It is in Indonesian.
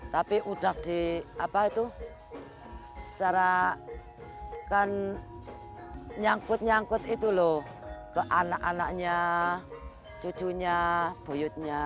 tapi udah di nyangkut nyangkut ke anak anaknya cucunya buyutnya